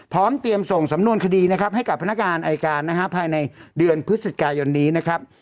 พร้อมเตรียมส่งสำนวนคดีนะครับให้กับพนักการอายการภายในเดือนพฤษฎกายนี้นะครับ